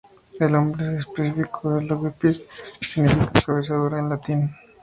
El nombre específico "E. longiceps" significa "cabeza dura" en latín.